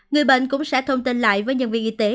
người bệnh cũng sẽ thông tin lại với nhân viên y tế